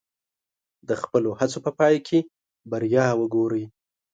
د خپلو هڅو په پای کې بریا وګورئ.